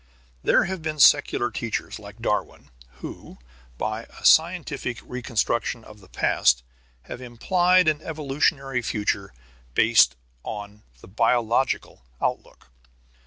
There have been secular teachers like Darwin, who, by a scientific reconstruction of the past, have implied an evolutionary future based on the biological outlook.